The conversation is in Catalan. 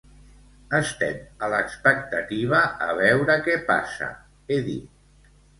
Estem a l'expectativa a veure què passa, he dit.